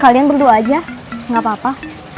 kalian berdua aja gak apa apa